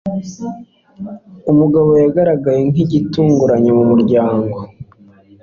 Umugabo yagaragaye gitunguranye mu muryango.